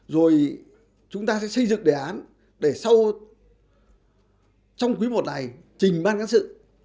rồi chúng ta sẽ xây dựng đề án để sau quý một này trình ban cán sự